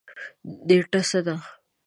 نیټه څه ده؟